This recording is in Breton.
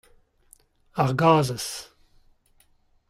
Ar gazhez.